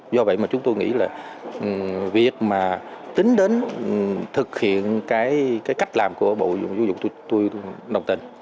do vậy mà chúng tôi nghĩ là việc mà tính đến thực hiện cái cách làm của bộ giáo dục tôi đồng tình